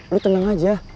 lo tenang aja